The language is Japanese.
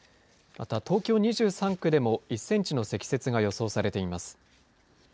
また東京２３区でも１センチの積雪が予想されています。